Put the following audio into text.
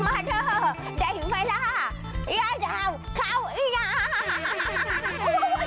มาเถอะได้เวลาย่าดาวเข้าอีน้ำ